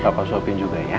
bapak sopin juga ya